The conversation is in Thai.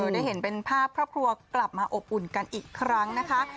ได้เห็นเป็นภาพครอบครัวกลับมาอบอุ่นกันอีกครั้งนะคะ